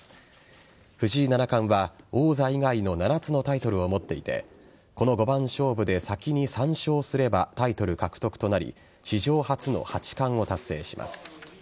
藤井七冠は王座以外の７つのタイトルを持っていてこの五番勝負で先に３勝すればタイトル獲得となり史上初の八冠を達成します。